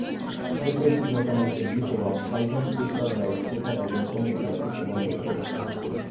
თეთრებით მოთამაშე ბიკოვამ თავიდან სუსტად დაიწყო და რუდენკომ უპირატესობა მოიპოვა.